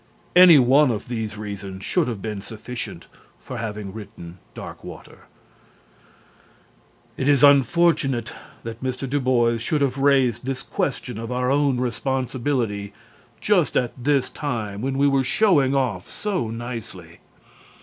Any one of these reasons should have been sufficient for having written "Darkwater." It is unfortunate that Mr. Du Bois should have raised this question of our own responsibility just at this time when we were showing off so nicely.